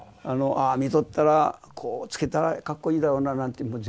ああ見とったらこうつけたらかっこいいだろうななんて